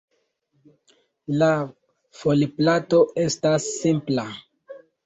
La foliplato estas simpla.